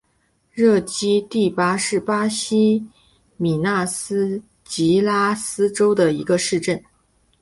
热基蒂巴是巴西米纳斯吉拉斯州的一个市镇。